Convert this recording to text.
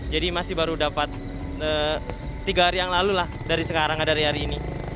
jadi masih baru dapat tiga hari yang lalu lah dari sekarang dari hari ini